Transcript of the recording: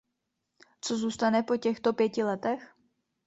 Co zůstane po těchto pěti letech?